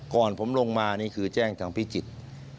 ก่อนผมลงมานี่คือแจ้งทางพิจิตร